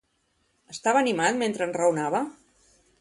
Estava animat mentre enraonava?